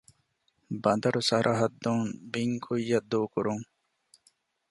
ބަނދަރު ސަރަޙައްދުން ބިން ކުއްޔަށް ދޫކުރުން